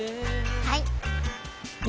はい！